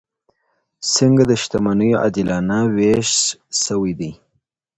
څنګه د شتمنیو عادلانه ویش شونې دی؟